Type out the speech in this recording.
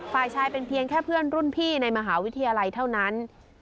ฝ่ายชายเป็นเพียงแค่เพื่อนรุ่นพี่ในมหาวิทยาลัยเท่านั้น